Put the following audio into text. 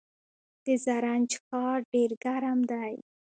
د زرنج ښار ډیر ګرم دی